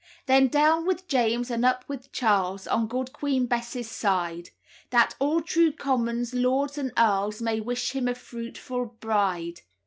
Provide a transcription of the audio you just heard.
"Then down with James and up with Charles, On good Queen Bess's side, That all true commons, lords, and earls May wish him a fruitful bride.